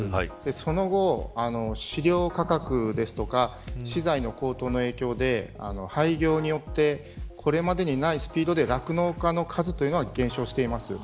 その後、飼料価格ですとか資材高騰の影響でこれまでにないスピードで酪農家の数は廃業によって減少しています。